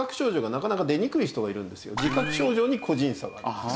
それがね自覚症状に個人差があるんですね。